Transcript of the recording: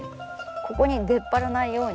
ここに出っ張らないように。